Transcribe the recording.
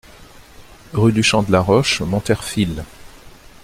Rue du Champ de la Roche, Monterfil